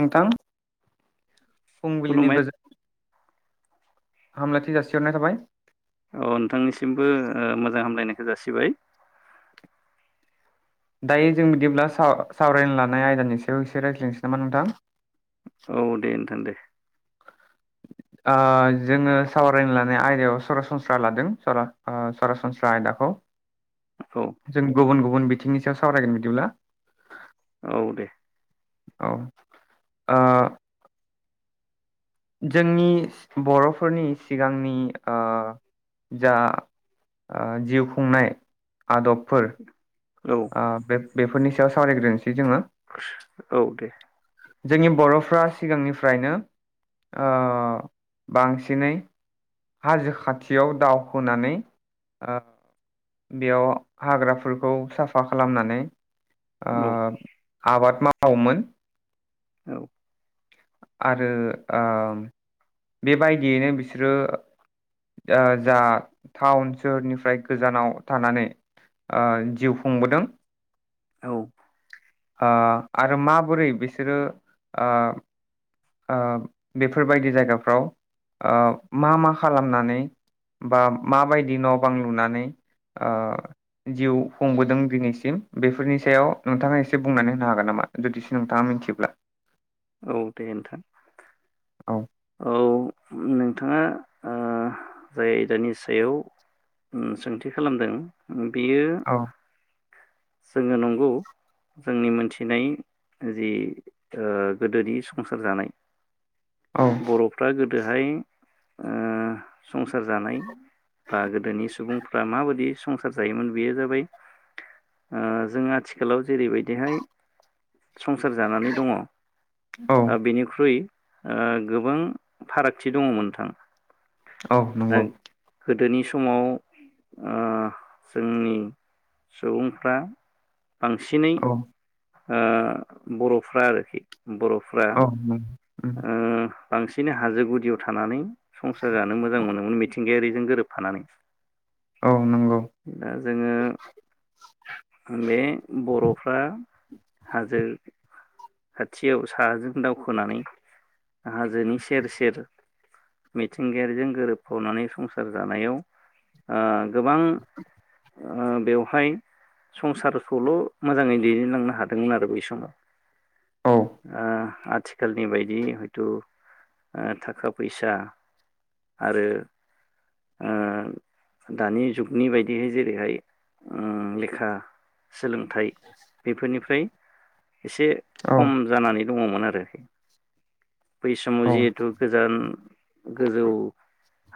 नोंथां फुंबिलिनि खुलुमबाय गोजोन हामलायथि जासिहरनाय थाबाय औ नोंथांनिसिमबो ओ मोजां हामलायनाय जासिबाय दायो जों बिदिब्ला सा-सावरायनो लानाय आयदानि सायाव एसे रायज्लायनोसै नामा नोंथां? औ दे नोंथां दे ओ जोङो सावरायनो लानाय आयदायाव सरासनस्रा लादों ओ सरा-सरासनस्रा आयदाखौ औ जों गुबुन गुबुन गुबुन बिथिंनि सायाव सावरायगोन बिदिब्ला औ दे। औ ओ। जोंनि बर'फोरनि सिगांनि ओ जा जिउ खुंनाय आदबफोर औ ओ बे-बेफोरनि सावरायग्रोनोसै जोङो औ दे। जोंनि बर'फ्रा सिगांनिफ्रायनो ओ बांसिनै हाजो खाथियाव दाव होनानै ओ बेयाव हाग्राफोरखौ साफा साफा खालामनानै ओ औ आबाद माव मावोमोन औ। आरो ओ बे बायदियैनो बिसोरो जा टाउन सोहोरनिफ्राय गोजानाव थानानै जिउ ओ खुंबोदों। औ। ओ आरो माबोरै बिसोरो ओ ओ बेफोरबायदि जायगाफ्राव ओ मा मा खालामना नै बा माबायदि न' बां लुनानै ओ जिउ खुंबोदों दिनैसिम बेफोरनि सायाव नोंथाङा इसे बुंनानै होनो हागोन नामा जुदिसो नोंथाङा मोन्थियोब्ला? औ दे नोंथां। औ औ नोंथाङा ओ जाय आयदानि सायाव सोंथि खालामदों बेयो औ जोङो नंगौ जोंनि मोन्थिनाय जि ओ गोदोनि संसार जानाय औ बर'फ्रा गोद दोहाय ओ संसार जानाय बा गोदोनि सुबुं फ्रा माबायदि संसार जायोमोन बेयो जाबाय ओ जों आथिखालाव जेरैबायदिहाय संसार जानानै दङ औ ओ बेनिख्रुय ओ गोबां फारागथि दङ नोंथां। औ दा नंगौ। गोदोनि समाव ओ जोंनि सुबुंफ्रा बांसिनै औ ओ बर'फ्रा आरोखि बर'फ्रा औ नंगौ उम ओ बांसिनै हाजो गुदियाव थानानै संसार जानो मोजां मोनोमोन मिथिंगायारि जों गोरोबफानानै औ नंगौ दा जोङो बे बर'फ्रा हाजो खाथियाव साहाजों दावखोनानै हाजोनि सेर सेर मिथिंगायारिजों गोरोबफानानै संसार जानायाव ओ गोबां ओ बेवहाय संसारखौल मोजाङै दैदेनलांनो हादोंमोन आरो बै समाव। औ ओ आथिखालनि बाय दि हयथ ओ थाखा फैसा आरो ओ दानि जुगनि बायदिहै जेरैहाय ओ लेखा सोलोंथाइ बेफोरनिफ्राय एसे औ खम जानानै दङमोन आरो। बै समाव औ जिहेथु गोजान गोजौ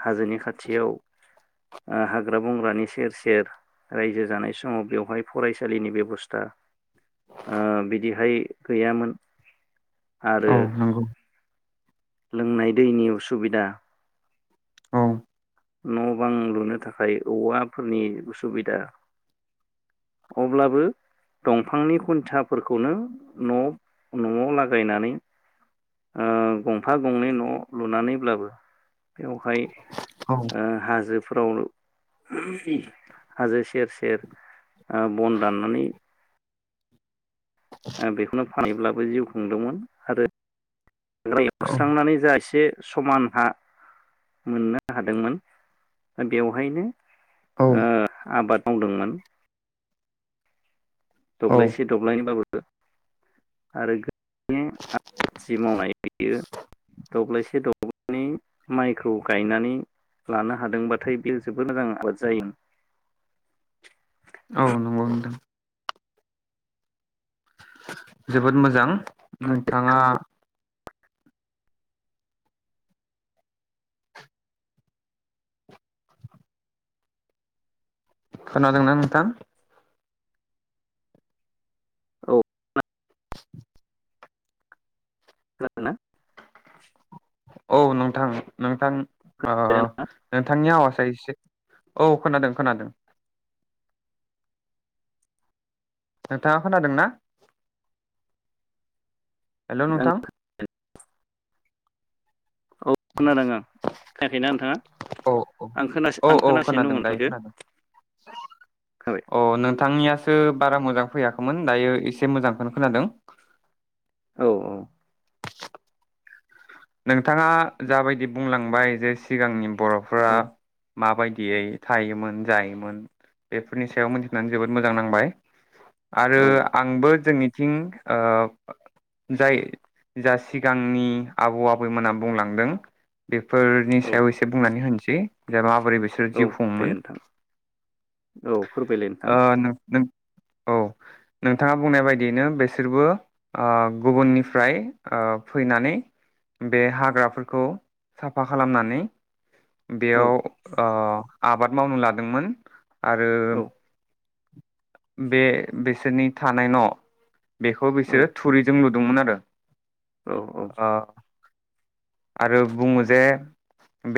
हाजोनि खाथियाव ओ हाग्रा बंग्रानि सेर सेर रायजो जानाय समाव बेवहाय फरायसालिनि बेबस्था ओ बिदिहाय गैयामोन। आरो औ नंगौ लोंनाय दैनि उसुबिदा औ न बां लुनो थाखाय औवाफोरनि उसुबिदा अब्लाबो दंफांनि खुन्थाफोरखौनो न-नआव लागायनानै ओ गंफा गंनै न लुनानैब्लाबो बेवहाय औ ओ हाजो फोरावबो हाजो सेर सेर ओ बन दाननानै ओ बेखौनो फानहैब्लाबो जिउ खुंदोंमोन आरो हाग्रा एवस्रांनानै जा एसे समान हा मोननो हादोंमोन बेवहायनो औ ओ आबाद मावदोंमोन। औ दब्लायसे दब्लायनै बाबो आरो [unintelligible] मावनाय बियो दब्लायसे दब्लायनै माइखौ गायनानै लानो हादोंबाथाय बेयो जोबोर मोजां आबाद जायोमोन। औ नंगौ नोंथां। जोबोद मोजां। नोंथाङा खोनादोंना नोंथां औ। खोनादोंना? औ नोंथां नोंथां ओ नोंथांनि आवाजआ एसे औ खोनादों खोनादों। नोंथाङा खोनादों ना? हेलौ नोंथां। औ खोनादों आं खोनायाखैना नोंथाङा औ औ आं खोना औ आं औ खोनासिनो दङ खोनादों दायो नोंथांखौ खोनादों खोनाबाय औ नोंथांनियासो बारा मोजां फैयाखैमोन दायो एसे मोजांखौनो खोनादों। औ औ। नोंथाङा जाबायदि बुंलांबाय जे सिगांनि बर'फोरा औ माबायदियै थायोमोन जायोमोन बेफोरनि सायाव मोनथिनानै जोबोद मोजां नांबाय। आरो आंबो जोंनि बिथिं ओ जाय जा सिगांनि आबौ आबैमोना बुंलांदों बे फोरनि औ सायाव एसे बुंनानै होनो सै जे मा बोरै बिसोरो औ जिउ दे खुङोमोन। नोंथां औ फोरमायलाय नोंथां ओ नों नों औ नोंथाङा बुंनाय बायदियैनो बेसोरबो ओ गुबुननिफ्राय ओ फैनानै बे हाग्राफोरखौ साफा खालामनानै औ बेयाव ओ आबाद मावनो लादोंमोन आरो औ बे बिसोरनि थानाय न बेखौ बिसोरो थुरिजों लु दोंमोन आरो औ औ ओ आरो बुङो जे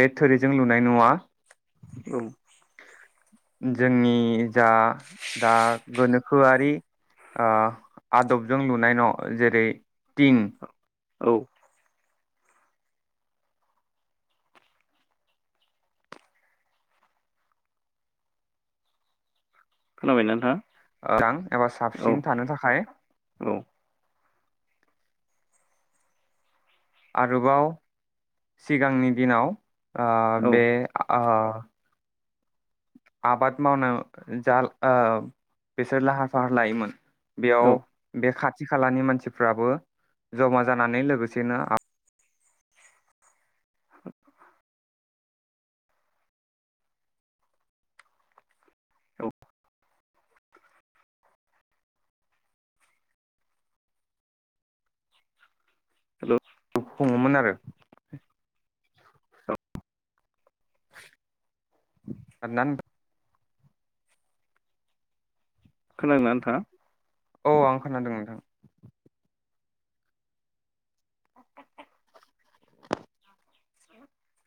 बे थोरिजों लुनाय नआ औ जोंनि जा दा गोनोखोआरि आदबजों लुनाय न जेरै तिं औ खोनाबायना नोंथां? [unintelligible] एबा साबसिन थानो थाखाय औ आरोबाव सिगांनि दिनाव आ औ बे आ अ आबाद मावनो जा आ बिसोर लाहार फाहार लायोमोन औ बेयाव बे खा थि खालानि मानसिफ्राबो जमा जानानै लोगोसेनो औ हेलौ खुंङोमोन आरो औ औ [unintelligible] खोनादोंना नोथांङा? औ आं खोनादों नोंथां।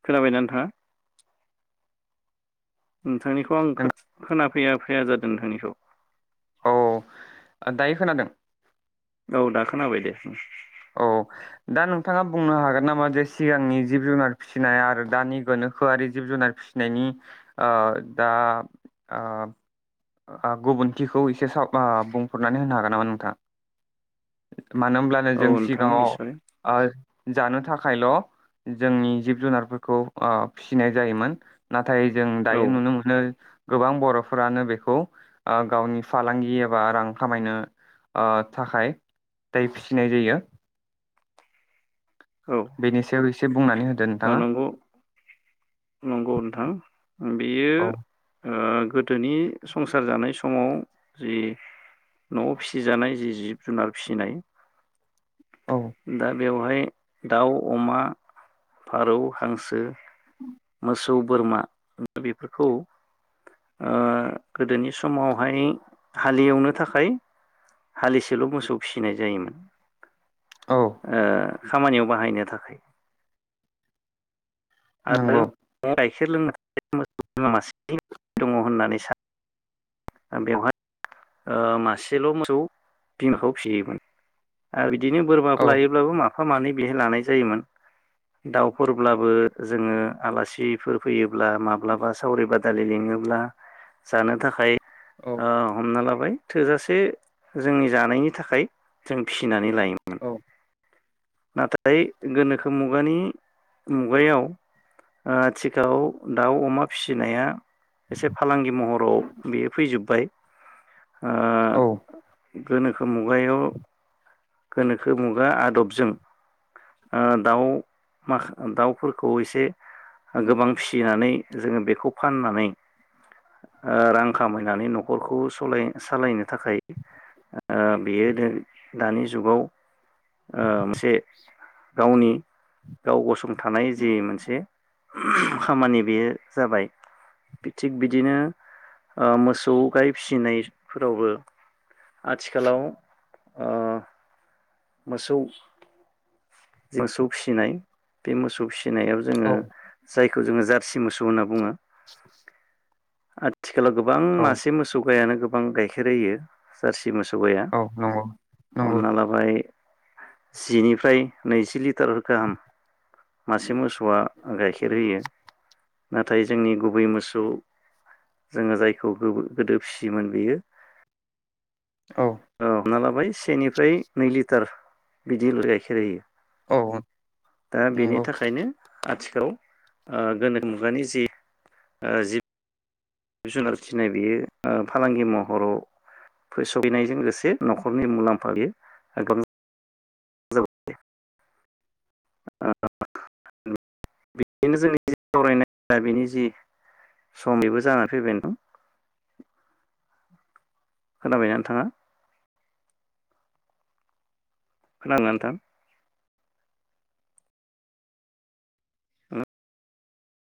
खोनाबायना नोंथाङा? नोंथांनिखौ आं खो खोना फैया फैया जादो नोंथांनिखौ। औ दायो खोनादों? औ दा खोनाबाय दे उम। औ दा नोंथाङा बुंनो हागोन नामा जे सिगांनि जिब जुनार फिनाय आरो दानि गोनोखोआरि जिब जुनार फिनायनि ओ दा ओ गुबुनथिखौ एसे स बुंफोरनानै होनो हागोन नामा नोंथाङा? मानो होनब्लानो औ जों नोंथां निस्सय सिगाङाव जानो थाखायल जोंनि जिब जुनारफोरखौ ओ फिनाय जायोमोन नाथाय नाथाय जों औ दायो नुनो मोनो। गोबां बर'फोरानो बेखौ खौ ओ गावनि फालांगि एबा रां खामायनो ओ थाखाय दाय फिसिनाय जायो। बेनि सायाव एसे बुंनानै हो ओ नंगौ नंगौ नोंथां बेयो औ ओ गोदोनि संसार जानाय समाव जि नआव फिसिजानाय जि जिब जुनार फिसिनाय। औ दा बेवहाय दाउ अमा । फारौ हांसो। मोसौ बोरमा बेफोरखौ ओ गोदोनि समावहाय हालेवनो थाखाय हालिसेल मोसौ फिसिनाय जायोमोन। औ ओ खामानियाव बाहायनो थाखाय। नंगौ [unintelligible] गाइखेर लोंनो थाखाय मोसौ बिमा मासे दङ होननानै सानो बेवहाय ओ मासेल मोसौ बिमाखौ फिसियोमोन आरो बि बिदिनो औ बोरमाखौ लायोब्लाबो मा फानानै बेहाय लानाय जायोमोन दाउफोरब्लाबो जोङो आलासिफोर फैयोब्ला माब्लाबा सावरि बादालि लिङोब्ला जानो थाखाय औ अ हमना ला [unintelligible] थोजासे जोंनि जानायनि थाखाय जों फिनानै लायो। औ। नाथाय गोनोखो मुगानि मुगायाव ओ थिखाव दाउ अमा फिनाया एसे फालांगि महराव बेयो फैजोबबाय ओ औ। गोनोखो मुगायाव गोनोखो मुगा आदबजों ओ दाउ माखा दाउफोरखौ एसे गोबां फिसिनानै । जोङो बेखौ फाननानै ओ रां खामायनानै नखरखौ सलाय सालायनो थाखाय ओ बेयो दोनि दानि जुगाव ओ बे गावनि गाव गसं थानाय जि मोनसे [unintelligible] खामानि बेयो जाबाय थिग बिदिनो ओ मोसौ गाइ फिसिनायफोरावबो आथिखालाव ओ मोसौ मोसौ फिसिनाय बे मोसौ फिसि नायाव औ जोङो जाय बेखौ जोङो जारसि मोसौ होनना बुङो । [inaudible] आ आथिखालाव गोबां औ मासे मोसौ गायानो गोब गोबां गाइखेर होयो । मोसौ गाया औ नंगौ नंगौ हमना लाबाय जिनिफ्राय नैजि लिटार गाहाम मासे मोसौआ गाइखेर होयो । नाथाय जोंनि गुबै मोसौ जोङो जायखौ गोबो गोदो फिसियोमोन बेयो औ। ओ हमना लाबाय सेनिफ्राय नै लिटार बिदि ल, गाइखेर होयो। औ दा बेनि नंगौ थाखायनो आथिखाल आ गोनोख मुगानि जि जि जुनार फिनाय बियो ओ फालांगि महराव फो सफैनायजों लोगोसे नखरनि मुलाम्फा बेयो गोबां [unintelligible] ओ बेदिनो जोंनि सावरायनाया बिनि जि सम बेबो जानानै फैबाय [unintelligible] खोनाबाय ना नोंथाङा? खोनादोंना नोंथां?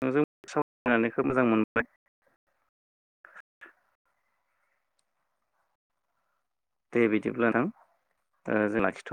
नोंजों सावरायनानै खोब मोजां मोनबाय। दे बिदिब्ला नोंथां दा जों लाखिथ